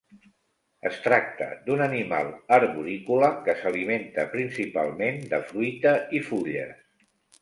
Es tracta d'un animal arborícola que s'alimenta principalment de fruita i fulles.